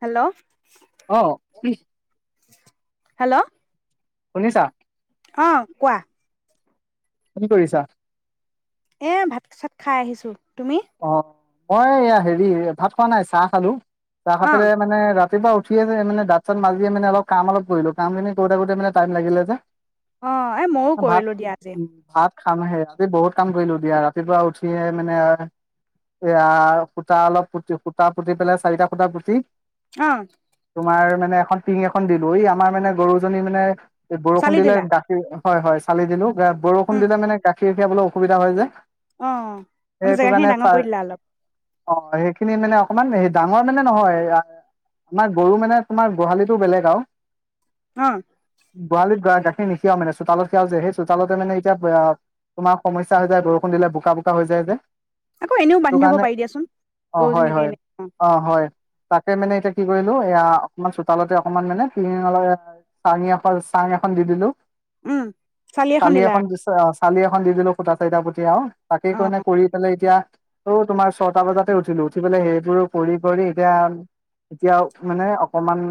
Hello অ কি hello শুনিছা অ কোৱা। কি কৰিছা? এ ভাত চাত খাই আহিছো। তুমি অ, মই ইয়াৰ হেৰি ভাত খোৱা নাই চাহ খালো। তাৰ অ সাতেৰে মানে ৰা ৰাতিপুৱা উঠিয়ে আছে মানে দাঁত চাত মাজিয়ে মানে অলপ কাম অলপ কৰিলো কামখিনি কৰোতে কৰোতে মানে টাইম লাগিলে যে। অ এ মইয়ো ভাত কৰিলো দিয়া ।আজি ভাত খাম সে আজি বহুত কাম কৰিলো দিয়া ৰাতিপুৱা উঠিয়ে মানে এয়া খুটা অলপ পুতি খুটা পুতি পেলাই চাৰিটা খুটা পুতি অহ তোমাৰ মানে এখন টিং এখন দিলো ই আমাৰ মানে গৰুজনী মানে এই চালি বৰষুণ দিলে দিলা গাখীৰ, হয় হয় চালি দিলো। বৰষুণ উম দিলে মানে কা- সেই বিলাক লৈ অসুবিধা হয় যে। অ মানে সেইটো জেগা কাৰণে খিনি ডাঙৰ চাৰ ৰুইদিলা অলপ অ সেইখিনি মানে অকমান হে ডাঙৰ মানে নহয় আমাৰ গৰু মানে তোমাৰ গোহালিতো বেলেগ আও অ গোহিলিত গো গাখীৰ নিখিয়াও মানে চোতালত খিয়াও যে সেই চোতালতে মানে এতিয়া তোমাৰ সমস্যা হৈ যায় বৰষুণ দিলে বোকা বোকা হৈ যায় ।যে আকৌ এনেও সেইটো বান্ধি থব কাৰণে পাৰি দিয়াচোন অ হয় গৰুজনীকে হয় এনে অ তাকে মানে এতিয়া কি কৰিলো এয়া অকমান চোতালতে অকমান মানে পিঙলা চাঙি এখন চাং এখন দি দিলো। উম চালি এখন দিথোৱা আ চালি এখন দি দিলো খূটা চাৰিটা পুটি আও তাকেই অ কনে কৰি পেলাই এতিয়া। ত তোমাৰ ছটা বজাতে উঠিলো উঠি পেলাই সেইবোৰ কৰি কৰি এতিয়া এতিয়া মানে অকমান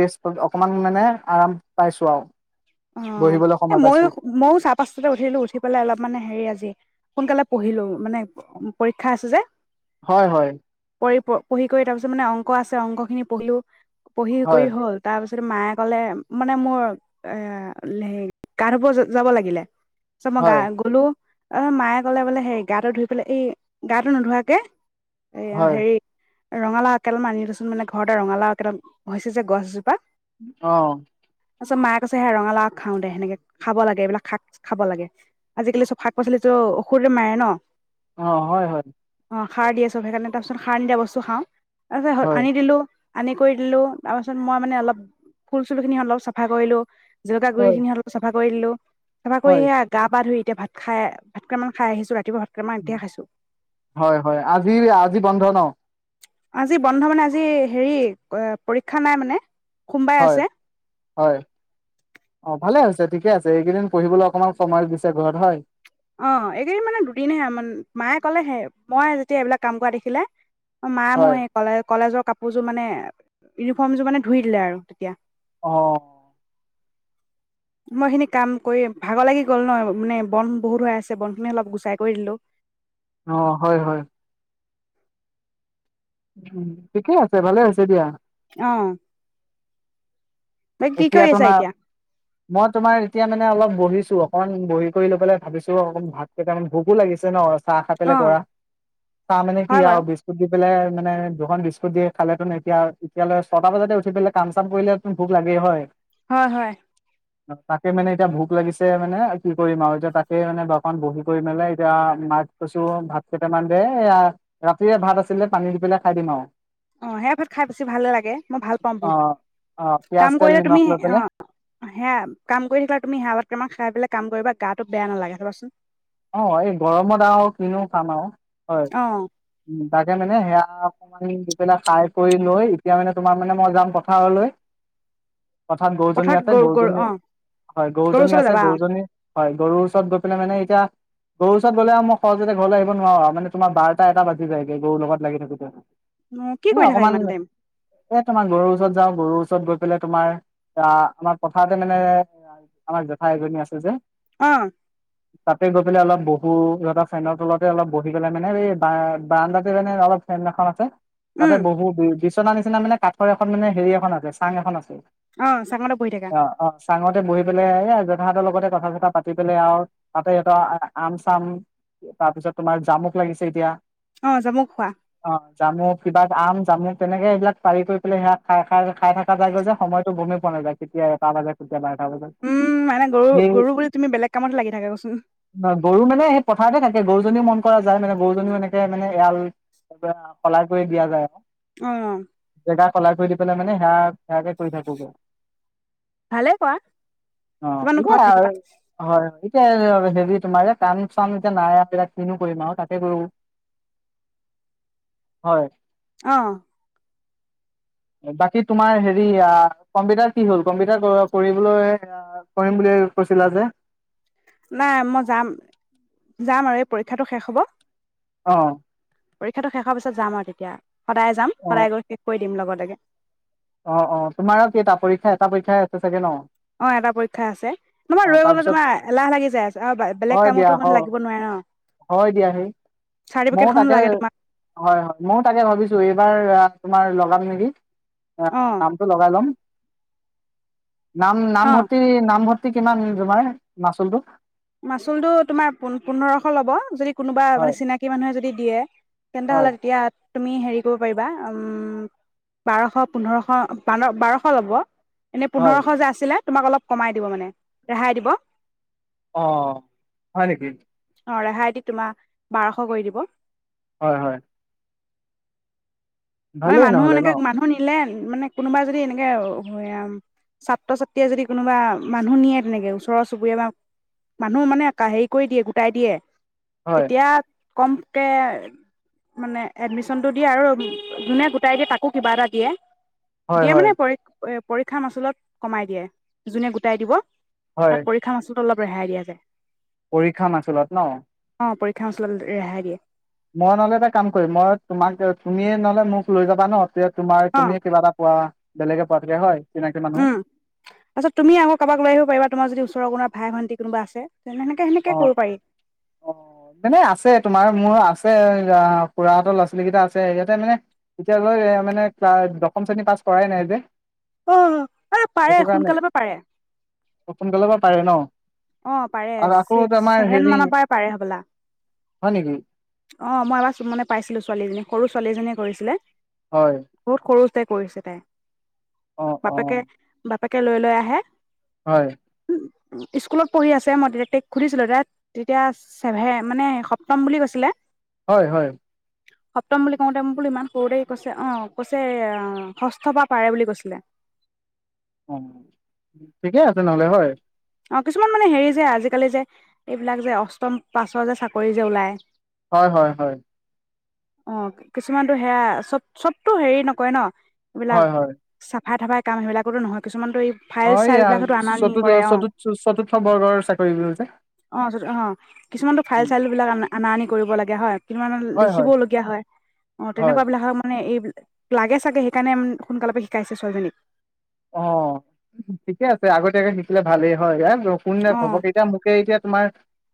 ৰেষ্ট অকমান মানে আৰাম পাইছো আও। অ এ ময়ো ময়ো চাই পাঁচটাতে উঠিলো উঠি পেলাই অলপ মানে হেৰি আজি সোনকালে পঢ়িলো মানে পৰীক্ষা আছে যে। হয় হয়। পৰি পঢ়ি কৰি তাৰ পিছত মানে অংক আছে অংক খিনি পঢ়িলো। পঢ়ি কৰি হয় হ'ল তাৰ পিছত? ত মায়ে কলে, মানে মোৰ। এ, হে গা ধুব যাব লাগিলে। ত হয় মই গ'লো। অ মায়ে ক'লে বোলে হেই, গাটো ধুই পেলাই এই গাটো নোধোৱাকে। এয়া হয় হেৰি। ৰঙালাও আগ কেইডালমান আনিবি চোন, মানে ঘৰতে ৰঙালাও আগকেইটা হৈছে যে গছজোপাত। অঁ। তাৰ পাছত মায়ে। কৈছে হে ৰঙালাও আগ খাও দে সেনেকে খাব লাগে। এইবিলাক শাক খাব লাগে আজিকালি চব শাক পাচলিতো ঔষধে মাৰে ন? অ, হয় হয়। অ খাৰ দিয়ে চব। সেইকাৰে তাৰপাছত সাৰ নিদিয়া বস্তু খাও। তাৰ পাছত হয় আনি দিলো। আনি কৰি দিলো, তাৰ পাছত মই মানে অলপ ফুল চুল খিনি অলপ চাফা কৰিলো। জলকিয়া হয় গুৰিখিনি অলপ চাফা। কৰি দিলো। চফা কৰি হয় সেয়া, গা পা ধুই। এতিয়া ভাত খাই ভাতকেটামান খাই আহিছো। ৰাতিপুৱা ভাত কেইটামান এতিয়া খাইছো হয় হয়, আজি আজি বন্ধ ন? আজি বন্ধ মানে, আজি হেৰি পৰীক্ষা নাই মানে। সোমবাৰে হয় আছে হয়। অঁ ভালে হৈছে ঠিকে আছে, এইকেইদিন পঢ়িবলৈ অকমান সময় দিছে ঘৰত হয়। অঁ, এইকেইদিন মানে দুদিনমান মায়ে ক'লে হে' মই যেতিয়া এইবিলাক কাম কৰা দেখিলে। মা হয় মোৰ সে কলে কলেজৰ কাপোৰ [unintelligible] কাপোৰযোৰ মানে ইউনিফৰ্ম যোৰ মানে ধুই দিলে আৰু তেতিয়া। অঁ মই খিনি কাম কৰি ভাগৰ লাগি গ'ল ন মানে, বন বহুত হৈ আছে বনখিনি অলপ গুচাই কৰি দিলো। অঁ, হয় হয়। উম ঠিকে আছে ভালে হৈছে দিয়া। অঁ। এতিয়াতো এতিয়া মই তোমাৰ, এতিয়া মানে অলপ। বহিছো অকমান বহি কৰি লৈ পেলাই ভাবিছো, অঁ ভাত কেইটামান ভোকো লাগিছে ন। চাহ খাই অ পেলাই কৰা চাহ মানে কি হয় বাৰু আৰু বিস্কুট। মানে দুখন বিস্কুট দিয়ে খালে তোন এতিয়া এতিয়ালৈ ছয়টা বজাতে উঠি পেলাই কাম চাম কৰিলে [unintelligible] লাগে হয়। হয় হয়। তাকে মানে এতিয়া ভোক লাগিছে মানে, কি কৰিম আৰু এতিয়া তাকে মানে অকণমান মন, বহি কৰি মেললে এতিয়া মাত কৈছো ভাত কেইটামান দে এ ৰাতিয়ে ভাত আছিলে পানী দি পেলাই খাই দিম আৰু। অঁ সেয়া ভাত খাই বেছি ভালে লাগে মই ভাল পাওঁ অ বহুত অ পিয়াজ কাম তেল কৰিলে নিমখ তুমি লৈ পেলাই অঁ সেয়া কাম কৰি থাকিলা তুমি সেৱা ভাত অকনমান খাই পেলাই কাম কৰিবা গাতো বেয়া নালাগে চাবাচোন অঁ এই গৰমত আৰু কিনোও খাম আৰু হয় অ উম তাকে মানে সেয়া অকমান দি পেলাই খাই কৰি লৈ এতিয়া মানে তোমাৰ মানে মই যাম পথাৰলৈ পথাত গৰুজনী পথাৰত আছে গৰু গৰু গৰুজনী অ হয় গৰু গৰুজনী ওচৰলৈ আছে যাবা অ গৰুজনী হয় গৰুৰ ওচৰত গৈ পেলাই মানে এতিয়া গৰু ওচৰত গলে আৰু মই সহজ যতে ঘৰ আহিব নোৱাৰো মানে তোমাৰ বাৰটা এটা বাজি যায়গে গৰুৰ লগত লাগি থাকোতে অ', কি কৰি এ থাকা অকমান ইমান টাইম এ তোমাৰ ঘৰৰ ওচৰত যাওঁ গৰুৰ ওচৰত গৈ পেলাই তোমাৰ আঁহ আমাৰ পথাৰতে মানে আমাৰ জেঠাই এজনী আছে যে অঁহ তাতে গৈ পেলাই অলপ বহো সিহঁত ফেনৰ তলতে অলপ বহি পেলাই মানে এই বাৰ্দাতে মানে অলপ ফেন এখন আছে তাতে উম বহু বিয়তি তেনেকুৱা নিচিনা মানে কাঠৰ এখন মানে হেৰি এখন আছে চাং এখন আছে অ চাঙতে বহি থাকা অঁ অঁ চাঙতে বহি পেলাই অঁ তাহতৰ লগতে কথা চতা পাতি পেলাই আৰু সিহত আম চাম তাৰপিছত তোমাৰ জামুক লাগিছে এতিয়া অ জামু খোৱা অঁ জামু কিবা আম মোক তেনেকে এইবিল পাৰি কৰি পেলাই সাত খাই খাই খাই থকা যায় গৈ যে সময়টো গমেই পোৱা নাযায় কেতিয়া এটা বাজে বাৰটা বাজে উম মানে গৰু সেই গৰু বুলি তুমি বেলেগ কামতে লাগি থাক কচোন। গৰু মানে সেই পথাৰতে থাকে। গৰুজনীও মন কৰা যায় মানে গৰুজনীও এনেকে মানে এৰাল সলাই কৰি দিয়া যায় আৰু। অহ সদায় সলাই কৰি দি পেলাই মানে সেয়া সেয়াকে কৰি থাকোগৈ। ভালে কৰা অ কিমাননো এতিয়া ঘৰত থাকিবা হয় এতিয়া । হেৰি তোমাৰ যে কাম চাম এতিয়া নাই আৰু । কিনো কৰিম আৰু তাতে কৰো হয় অ। বাকী তোমাৰ হেৰি আহ কম্পিউটাৰ কি হ'ল কম্পিউটাৰ কৰিবলৈ কৰিম বুলি কৈছিলা যে নাই মই যাম যাম আৰু এই পৰীক্ষাটো শেষ হ'ব। অ পৰীক্ষাটো শেষৰ পিছত যাম আৰু তেতিয়া। সদায় যাম অ সদায় গৈ শেষ কৰি। দিম লগতাগে অ অ তোমাৰো কেইটা এটা পৰীক্ষা এটা পৰীক্ষাই আছে চাগে ন । অ এটা পৰীক্ষা আছে নমাৰ ৰৈ গলে তাৰপিছত তোমাৰ এলাহ লাগি যাই আ বেলেগ হয় দিয়া কামতো হ মানে লাগিব নোৱাৰে ন হয় দিয়া সেই ময়ো চাৰটিপেকেট তাকে লাগে তোমাক। হয় হয় ময়ো তাকে ভাবিছো এইবাৰ আহ তোমাৰ লগাম নেকি। অ নামটো লগাইলম। নাম অ নামভৰ্তি নামভৰ্তি নামভৰ্তি কিমান তোমাৰ মাচুলটো মাচুলটো তোমাৰ পোন্ধৰশ ল'ব যদি কোনোবা মানে হয় চিনাকি মানুহে যদি দিয়ে তেন্তে হয় হ'লে তেতিয়া তুমি হেৰি কৰিব পাৰিবা উম বাৰশ পোন্ধৰশ বাৰশ ল'ব এনেই হয় পোন্ধৰশ যে আছিলে তোমাক অলপ কমাই দিব মানে ৰেহাই দিব। অ হয় নেকি অ ৰেহাই দি তোমাৰ বাৰশ কৰি দিব হয় হয় মানে ভালেই মানুহ নহ'লে ন এনেকে মানুহ নিলে মানে কোনোবা যদি এনেকে ছাত্ৰ ছাত্ৰীয়ে যদি কোনোবা মানুহ নিয়ে তেনেকে ওচৰৰ চুবুৰীয়া বা মানুহ মানে হেৰি কৰি দিয়ে গোটাই দিয়ে হয় তেতিয়া কমকে মানে এডমিশনটো দিয়ে আৰু যোনে গোটাই দিয়ে তাকো কিবা এটা দিয়ে হয় দিয়া হয় মানে পই পৰীক্ষা মাচুলত কমাই দিয়ে যোনে গোটাই দিব হয় তাক পৰীক্ষা মাচুল অলপ ৰেহাই দিয়া যায় পৰীক্ষা মাচুলত ন অ পৰীক্ষা মাচুল ৰেহাই দিয়ে মই নহ'লে এটা কাম কৰিম মই তোমাক তুমিয়ে নহ'লে মোক লৈ যাবা ন তে তোমাৰ অ তুমি কিবা এটা পোৱা বেলেগে পোৱা থাকে হয় চিনাকি মানুহ উম তাৰপিছত তুমি আকৌ কাৰোবাক লৈ আহিব পাৰিবা তোমাৰ যদি ওচৰৰ কোনোবা ভাই ভণ্টী কোনোবা আছে তেনেকে সেনেকে অ কৰিব পাৰি অ মানে আছে তোমাৰ মোৰ আছে তে খুৰাহঁতৰ ল'ৰা ছোৱালী কেইটা আছে ইয়াতে মানে এতিয়ালৈ মানে দশম শ্ৰেণী পাছ কৰাই নাই যে অ পাৰে সেইটো কাৰণে সোনকালে পৰা পাৰে সোনকালে পৰা পাৰে ন অ পাৰে আৰু আকৌ চিকচ আমাৰ চেভেন হেৰি মানৰ পৰাই পাৰে চাগে হয় নেকি ছোৱালীএজনীয়ে কৰিছিলে হয় বহুত সৰু বহুতে কৰিছে তাই অ অ বাপেকে বাপেকে লৈ লৈ আহে হয় অও স্কুলত পঢ়ি আছে মই ডক্টক সুধিছিলোঁ তেতিয়া ছেভেন মানে সপ্তম বুলি কৈছিলে হয় হয়। সপ্তম বুলি কওঁতে মই বোলো ইমান সৰুতে কৈছে অ কৈছে ষষ্ঠ বা পাৰে বুলি কৈছিলে? অ ঠিকে আছে নহলে হয়। অ কিছুমান মানে হেৰি যে আজিকালি যে এইবিলাক যে অষ্টম পাছৰ যে চাকৰি যে ওলায়? হয় হয় হয়। অ কিছুমানতো সেয়া চব চবতো হেৰি নকয় ন। এইবিলাক হয়, হয়। চাকৰি? ভাত থাবাই কাম নহয় সেইবিলাক নহয়? কিছুমানতটো এই ফাইল অ', চাইল এইয়া বিলাকতো অনা নিয়া চতুৰ্থ ৰে অ। অ চতুৰ্থ চতুৰ্থ বৰ্গৰ চাকৰি যে আহ কিছুমানতো ফাইল চাইল বিলাক অনা আনি কৰিব লগা হয় কিছুমান হয়, হয়, লিখিবওলগীয়া হয় অ হয়, তেনেকুৱা বিলাক মানে? এই লাগে চাগে সেইকাৰণে সোনকালৰ পৰা শিকাইছে ছোৱালীজনীক? অ ঠিকে আছে আগতীয়াকে শিকিলে ভালেই হয় হয়। শুনে অ খপককে এতিয়া মোকে এতিয়া তোমাৰ?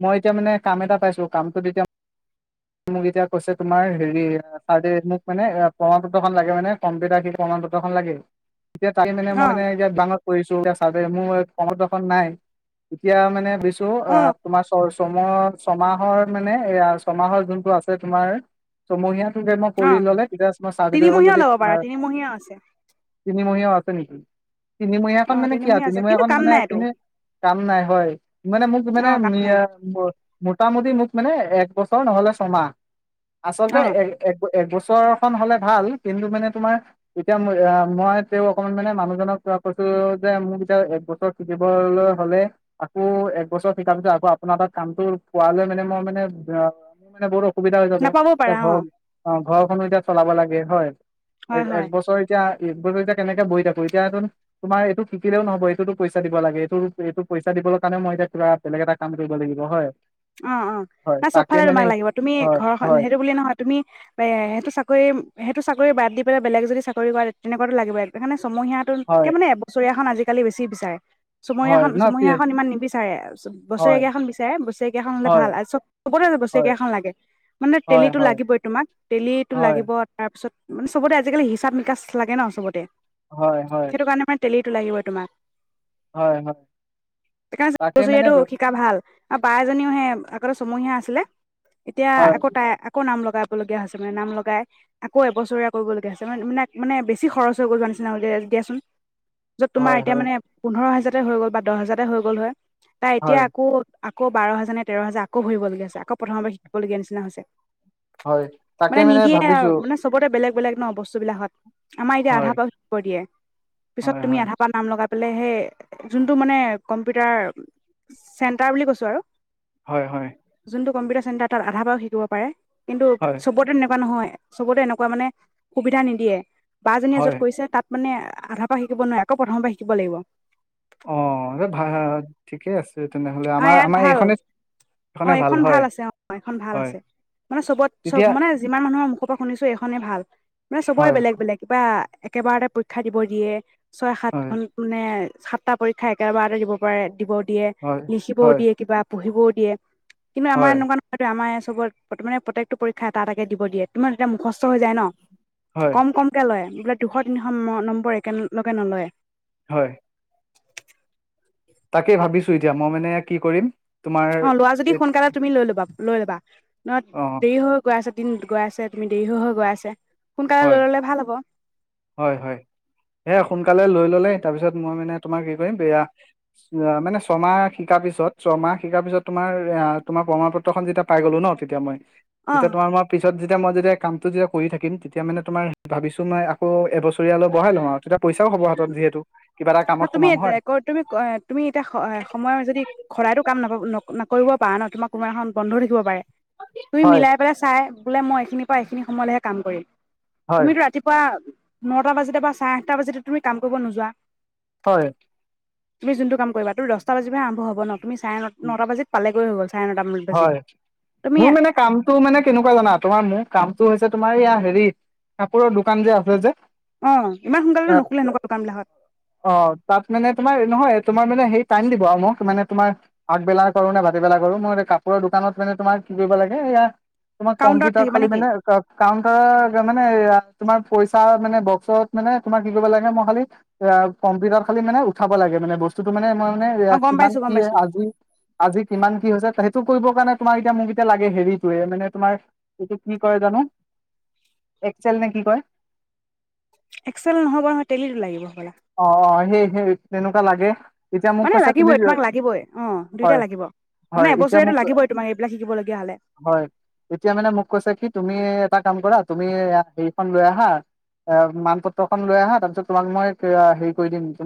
মই এতিয়া মানে কাম এটা পাইছো কামটোত এতিয়া? মোক এতিয়া কৈছে তোমাৰ হেৰি চাৰ মোক মানে প্ৰমাণ পত্ৰখন লাগে মানে কম্পিউটাৰ সি প্ৰমাণ পত্ৰখন লাগেই? এতিয়া তাই মানে মই অ মানে এতিয়া দোকানত। কৰিছো এতি মোৰ পৰ এখন নাই এতিয়া মানে বে। মোৰ অ এ তোমাকৰ। ছমৰ ছমাহৰ মানে এয়া ছমাহৰ। যোনটো আছে তোমাৰ চমহীয়াত? মই অ কৰি ললে তেতিয়া মই চাৰ্টিফিকট তিনিমহীয়াও যদি ল'ব পাৰা ত। তিনিমহীয়াও আছে তিনিমহিয়া আছে নেকি? তিনিমহীয়াখন অ মানে কি তিনিমহীয়া আছে কিন্তু তিনিমহীয়াখন কাম মানে নাইতো এনে কাম নাই হয় মানে মোক অ মানে? কাম নাই মোটামুটি মোক মানে এক বছৰ নহ'লে। চমাহ। আচলতে? অ এক বছৰখনন হলে ভাল কিন্তু মানে তোমাৰ এতিয়া মই তেওঁ অকমান মানে মানুহজনক কৈছো যে মোক এতিয়া এক বছৰ শিকিবলৈ হলে আকৌ এক বছৰ শিকাৰ পিছত আকৌ আপোনাৰ তাত কামটো পোৱালৈ মানে মই মানে? মোৰ মানে বহুত অ। অসুবিধা হৈ যাব নাপাবও এতিয়া পাৰা অ ঘৰ অঁ ঘৰখনো এতিয়া? চলাব লাগে হয়। হয় এক হয় বছৰ এতিয়া? এইবোৰ এতিয়া কেনেকে বহি থাকো এতিয়া তোমাৰ এইটো শিকিলেও নহব এইটোতো পইচা দিব লাগে এইটো এইটো পইচা দিবলৈ কাৰণে মই এতিয়া কিবা বেলেগ এটা কাম কৰিব লাগিব হয়। অঁহ অঁহ হয় তাই চ। তাকে মানে তোমাক লাগিব তুমি হয় ঘৰ হয় সেইটো বুলি নহয় তুমি এ সেইটো চাকৰি সেইটো? বাদ দি পেলাই বেলেগ যদি চাকৰি কৰে তেনেকুৱাতটো লাগিয়ই? চমহীয়া তোত হয় কে মানে এবছৰীয়াখন আজি? কালি বেছি বিচাৰে চমহীয়া হয় খন ন চমহীয়া খন ইমান নিবিচাৰে হয় বছৰেকীয়া খন বিচাৰে বছকিয়া খন হলে হয় ভাল আৰু চব চবতে হয় বছকিয়া খন লাগে মানে হয় দেলীতো হয় লাগিবই তোমাক দেলিতো হয় লাগিব তোমাক তাৰপাছত মানে চবতে আজিকালি হিচাপ নিকাচ লাগে ন চবতে হয় হয় দেলিটো লাগিব তোমাক হয় হয় সেইকাৰণ তাকে মানে চমহিয়াতটো ব- শিকা ভাল পাই এজনীও হে আগতে চমহীয়া আছিলে এতিয়া হয় আকৌ তাই আকৌ নাম লগাই লীয়া হৈছে মানে নাম লগাই আকৌ এবছৰীয়া কৰিবলগীয়া হৈছে মানে মানে মানে বেছি খৰচ হৈ গ'ল নিচিনা হলে দিয়াচোন য'ত তোমাৰ হয় এতিয়া হয় মানে পোন্ধৰ হাজাৰ হৈ গ'ল বা দহ হাজাৰতে হৈ গ'ল হয় তাই এতিয়া হয় আকৌ আকৌ বাৰ হাজাৰ নে তেৰ হাজাৰ আকৌ ভৰিবলগীয়া আছে আকৌ প্ৰথমবাৰ শিকিবলগীয়া নিচিনা হৈছে হয় তাকে মানে নিদিয়ে আৰু ভাবিছো মানে চবতে বেলেগ বেলেগ ন বস্তু বিলাকত আমাৰ এতিয়া আধা হয় পা দিয়ে পিছত হয় তুমি হয় আধা পা নাম লগা বোলে সেই যোনটো মানে কম্পিউটাৰ চেন্টাৰ বুলি কৈ আৰু হয় হয় কম্পিউটাৰ চেণ্টাৰ তাত আধা পৰাও শিকিব পাৰে কিন্তু হয় চবৰতে এনেকুৱা নহয় চবতে এনেকুৱা মানে সুবিধা নিদিয়ে বাজনীয়ে য'ত হয় কৰিছে তাত মানে আধাৰ পৰা শিকিব নোৱাৰে আকৌ প্ৰথমৰ পৰা শিকিব লাগিব অ এই ভ ঠিকেই আছে তেনেহলে অ আমাৰ ইয়াত আমাৰ ভাল এইখনে অ এইখনে এইখন হয় ভাল আছে অ এইখন ভাল হয় আছে মানে চবত চব তেতিয়া মানে যিমান মানুহৰ শুনিছো এইখনে ভাল মানে চবৰে হয় বেলেগ বেলেগ কিবা একেবাৰতে পৰীক্ষা দিব দিয়ে ছয় সাত হয় খন মানে সাতটা পৰীক্ষা একেবাৰে দিব পাৰে দিব দিয়ে হয় খিবও হয় দিয়ে কিবা । পঢ়িবও দিয়ে। কিন্তু আমাৰ হয় এনেকুৱা নহয়, আমাৰ আছে । তাৰমানে প্ৰথমতে প্ৰত্যেকটো পৰীক্ষা এটা তাকে দিব দিয়ে তোমাৰ যেতিয়া মুখস্থ হৈ যায় ন । হয় কম কমকে লয় । বোলে দুশ তিনিশ নম্বৰ একেলগে নলয় হয়। তাকেই ভাবিছো এতিয়া মই মানে, কি কৰিম? তোমাৰ অ লোৱা যদি এই সোনকালে তুমি লৈ ল'বা । লৈ লবা। নহ অ দেৰি হৈ হৈ গৈ আছে। দিনটো গৈ আছে তুমি দেৰি হৈ হৈ গৈ আছে । সোনকালে লৈ হয় ললে ভাল হব । হয় হয় এ সোনকালে লৈ ললে তাৰপিছত মই মানে তোমাৰ কি কৰিম, এয়া মানে ছমাহ শিকাৰ পিছত ছমাহ শিকাৰ পিছত তোমাৰ তোমাৰ প্ৰমাণ পত্ৰখন যেতিয়া পাই গলো ন তেতিয়া মই অ তেতিয়া তোমাৰ মই পিছত যেতিয়া মই যেতিয়া কামটো যেতিয়া কৰি থাকিম । তেতিয়া মানে তোমাৰ ভাবিছো মই আকৌ এ বছৰীয়ালৈ বঢ়াই লওঁ আৰু তেতিয়া পইচাও হব হাতত যিহেতু । ন তুমি তুমি তুমি এতিয়া সময় যদি সদায়ইতো কাম নাপাব। নকৰিব পৰা ন, তোমাৰ কোনোবা এখন বন্ধ থাকিব পাৰে । তুমি হয় মিলাই পেলাই চাই বোলে মই এইখিনিৰ পৰা এইখিনি সময়লৈহে কাম কৰিম । হয় তুমিতো ৰাতিপুৱা নটা বাজাতে বা চাৰে আঠটা বাজাতে তুমি কাম কৰিব নোযোৱা । হয় । তুমি যোনটো কাম কৰিবা তোৰ দহটা বাজি আৰম্ভ হব ন! তুমি চাৰে নটা বাজিত পালেগৈ হৈ গ'ল । হয়, মোৰ মানে কামটো মানে কেনেকুৱা জানা? তোমাৰ মোৰ কামটো হৈছে তোমাৰ ইয়া হেৰিত কাপোৰৰ দোকান যে আছে যে অ ইমান সোনকালেতো নুখোলে এনেকুৱা দোকান বিলাকত। অ তাত মানে তোমাৰ নহয় তোমাৰ মানে সেই টাইম দিব আৰু মোক মানে তোমাৰ আগবেলা কৰো নে ভাতিবেলা কৰো, মোৰ কাপোৰৰ দোকানত মানে তোমাৰ কি কৰিব লাগে এয়া তোমাৰ কাউণ্টাৰত কম্পিউটাৰ থাকিবা খালি নেকি মানে, কাউণ্টাৰৰ মানে তোমাৰ পইচা মানে বক্সত মানে তোমাৰ কি কৰিব লাগে, মই খালি এ কম্পিউটাৰ খাল মানে উাব লাগে, মানে বস্তুত মানে মই মানে অ গম কিমান পাইছো গম কি পাইছো আজি আজি কিমান কি হৈছে? কৰিবৰ কাৰণে তোমাৰ এতিয়া মোক এতিয়া লাগে হেৰিটোৱে মানে তোমাৰ, এইটো কি কয় জান একচেল নে কি কয়? এক্সেল নহ'ব নহয় টেলিটো লাগিব। হ'বলা অ, অ, সেই। হুম, তেনেকুৱা লাগে। এতিয়া মোক মানে কৈছে তুমি লাগিবই, তোমাক লাগিবই অ দুইটা হয় লাগিব, মানে হয় এতিয়া এবছৰিয়া মোক লাগিবই তোমাক এইবিলাক শিকিবলগীয়া হলে। হয় এতিয়া মানে মোক কৈছে কি তুমি এটা কাম কৰা তুমি হেৰিখন লৈ আহা, এ মান পত্ৰখন লৈ আহা তাৰপিছত তোমাক মই সেয়া হেৰি কৰি দিম